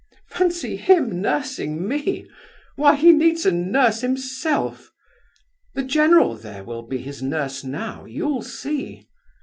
"Fancy him nursing me! Why, he needs a nurse himself! The general, there, will be his nurse now, you'll see.